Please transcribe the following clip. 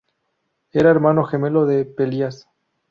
Era hermano gemelo de Pelias.